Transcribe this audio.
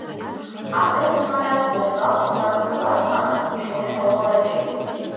А тый тынарак осал чонан улат манын, шонен омыл ыле.